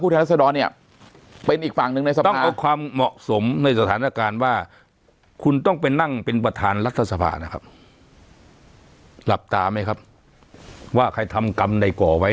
จบไปแล้วจบไปแล้วจบอะไร